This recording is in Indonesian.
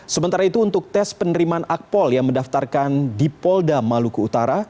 sementara itu untuk tes penerimaan akpol yang mendaftarkan di polda maluku utara